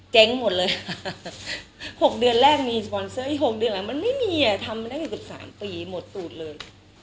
เจ๊งหมดเลยหกเดือนแรกมีสปอนเซอร์อีกหกเดือนหลังมันไม่มีอ่ะทำแล้วก็อยู่กับสามปีหมดตูดเลย